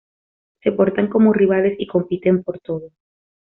Se portan como rivales y compiten por todo.